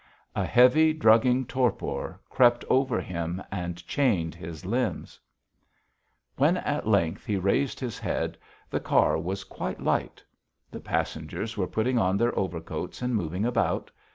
A heavy, drugging torpor crept over him and chained his limbs. When at length he raised his head, the car was quite light. The passengers were putting on their overcoats and moving about.